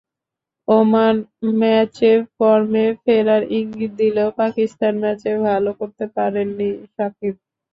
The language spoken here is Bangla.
ওমান ম্যাচে ফর্মে ফেরার ইঙ্গিত দিলেও পাকিস্তান ম্যাচে ভালো করতে পারেননি সাকিব।